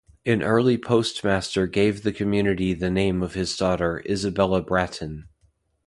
An early postmaster gave the community the name of his daughter, Isabella Brattin.